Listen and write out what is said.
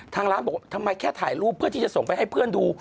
ทางร้านบอกว่าทำไมแค่ถ่ายรูปเพื่อที่จะส่งไปให้เพื่อนดู